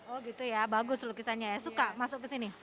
oh gitu ya bagus lukisannya ya suka masuk ke sini